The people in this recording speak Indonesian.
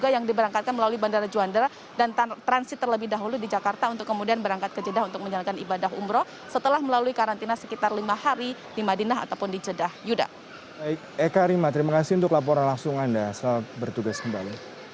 yang diperkirakan keberangkatan akan berasal dari jawa timur bahkan tidak hanya jawa timur